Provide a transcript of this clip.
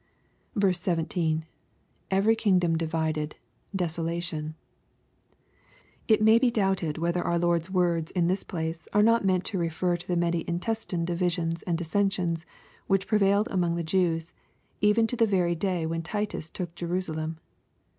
17. — [Every "kingdom divid€d..,de8olation,'] It may be doubted whether our Lord's words in this place are not meant to refer to the many intestine divisions and dissensions which prevailed among the Jews, even to the very day when Titus took Jerusa lem.